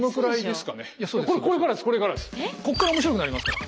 こっから面白くなりますから。